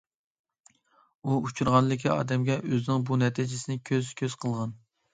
ئۇ ئۇچرىغانلىكى ئادەمگە ئۆزىنىڭ بۇ نەتىجىسىنى كۆز- كۆز قىلغان.